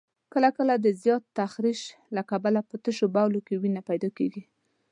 کله کله د زیات تخریش له کبله په تشو بولو کې وینه پیدا کېږي.